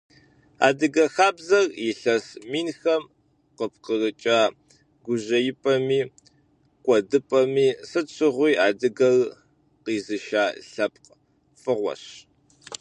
Адыгэ хабзэр илъэс минхэм къыпхрыкӏа, гужьеипӏэми, кӏуэдыпӏэми сыт щыгъуи адыгэр къизыша лъэпкъ фӏыгъуэщ.